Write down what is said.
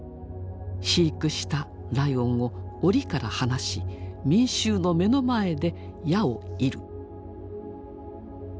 飼育したライオンを檻から放し民衆の目の前で矢を射る。